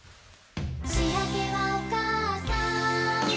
「しあげはおかあさん」